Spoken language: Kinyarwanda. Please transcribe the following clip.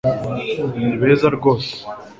Ni beza rwose